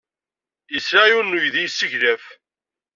Yesla i yiwen n uydi yesseglaf.